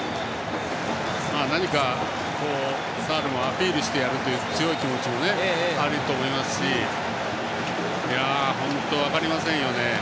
何かサイドもアピールしてやるという強い気持ちもあると思いますし本当に分かりませんよね。